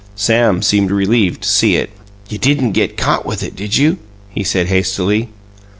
Sam seemed relieved to see it. "You didn't get caught with it, did you?" he said hastily.